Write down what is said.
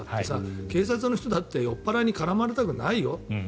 警察の人だって酔っ払いに絡まれたくないよ。